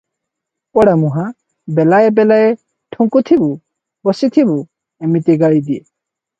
ପୋଡାମୁହିଁ, ବେଲାଏ ବେଲାଏ ଠୁଙ୍କୁଥିବୁ ବସିଥିବୁ' ଏମିତି ଗାଳି ଦିଏ ।